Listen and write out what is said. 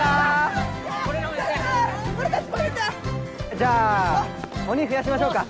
じゃあ鬼増やしましょうか。